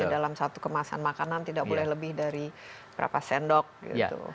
dalam satu kemasan makanan tidak boleh lebih dari berapa sendok gitu